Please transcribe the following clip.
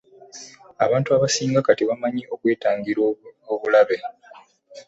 Abantu abasinga kati bamanyi okwetangira obulabe.